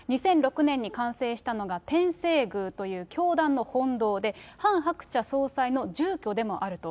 ２００６年に完成したのが天正宮という教団の本堂で、ハン・ハクチャ総裁の住居でもあると。